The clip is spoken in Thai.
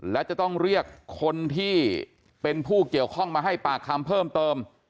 และจะต้องเรียกคนที่เป็นผู้เกี่ยวข้องมาให้ปากคำเพิ่มเติม